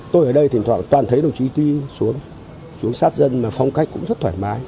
tôi ở đây thỉnh thoảng toàn thấy đồng chí tuy xuống xuống sát dân mà phong cách cũng rất thoải mái